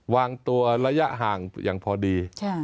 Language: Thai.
วางตัวระยะห่างอย่างพอดี